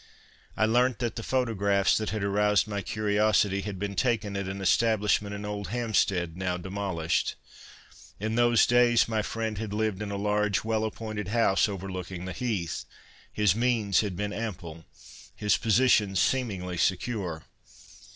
I learnt that the photographs that had aroused my curiosity had been taken at an establishment in old Hampstead, now demolished. In those days my friend had lived in a large, well appointed house overlooking the heath. His means had been ample, his position seemingly secure.